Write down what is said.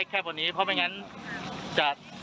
แคบกว่านี้เพราะไม่อย่างนั้นจะ